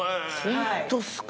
本当ですか？